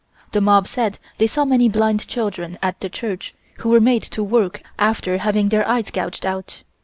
The mob said they saw many blind children at the church, who were made to work after having their eyes gouged out.